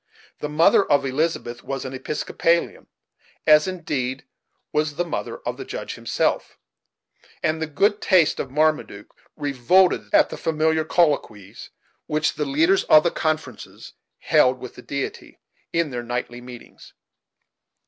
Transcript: The mother of Elizabeth was an Episcopalian, as indeed, was the mother of the Judge himself; and the good taste of Marmaduke revolted at the familiar colloquies which the leaders of the conferences held with the Deity, in their nightly meetings.